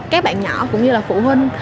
các bạn nhỏ cũng như là phụ huynh